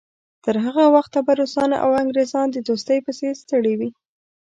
تر هغه وخته به روسان او انګریزان د دوستۍ پسې ستړي وي.